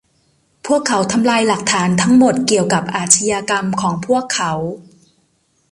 พวกเขาทำลายหลักฐานทั้งหมดเกี่ยวกับอาชญากรรมของพวกเขา